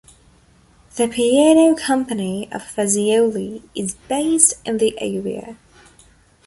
The piano company of Fazioli is based in the area.